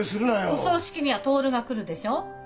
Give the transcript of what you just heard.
お葬式には徹が来るでしょう？